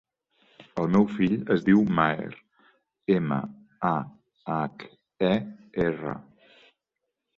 El meu fill es diu Maher: ema, a, hac, e, erra.